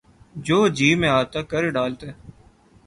جو جی میں آتا کر ڈالتے۔